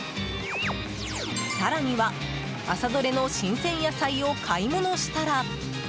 更には、朝どれの新鮮野菜を買い物したら。